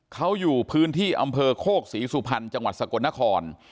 เขาอยู่พื้นที่อำเภอโคกศรีสุพรรณจังหวัดสกลนคร